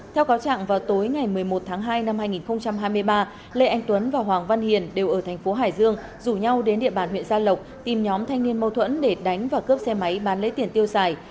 theo cáo trạng vào tối ngày một mươi một tháng hai năm hai nghìn hai mươi ba lê anh tuấn và hoàng văn hiền đều ở thành phố hải dương rủ nhau đến địa bàn huyện gia lộc tìm nhóm thanh niên mâu thuẫn để đánh và cướp xe máy bán lấy tiền tiêu xài